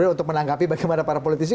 untuk menanggapi bagaimana para politisi